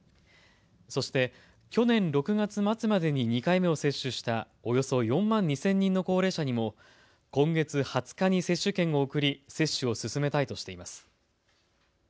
そして去年６月末までに２回目を接種したおよそ４万２０００人の高齢者にも今月２０日に接種券を送り接種を進めたいとしています。